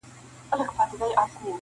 • د الماسو یو غمی یې وو ورکړی..